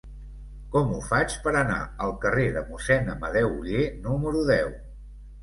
Com ho faig per anar al carrer de Mossèn Amadeu Oller número deu?